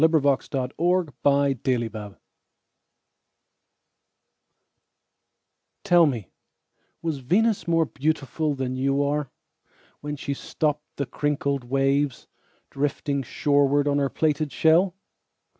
Venus Transiens By Amy Lowell TELL me, Was Venus more beautifulThan you are, When she stoppedThe crinkled waves, Drifting shorewardOn her plaited shell?